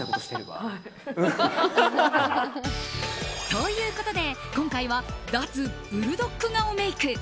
ということで今回は脱ブルドッグ顔メイク。